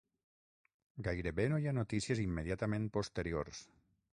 Gairebé no hi ha notícies immediatament posteriors.